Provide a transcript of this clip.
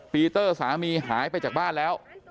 ปีเตอร์สามีหายไปจากบ้านแล้ว